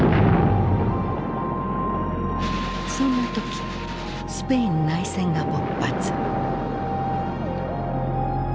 そんな時スペイン内戦が勃発。